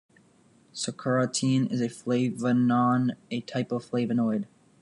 Sakuranetin is a flavanone, a type of flavonoid.